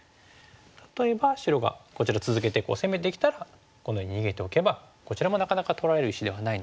例えば白がこちら続けて攻めてきたらこのように逃げておけばこちらもなかなか取られる石ではないので。